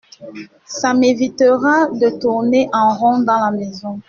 Ça m’évitera de tourner en rond dans la maison.